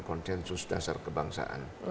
konsensus dasar kebangsaan